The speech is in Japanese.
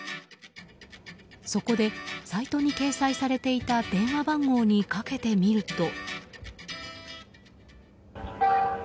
そこでサイトに掲載されていた電話番号にかけてみると。